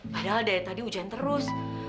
padahal dari tadi hujan terus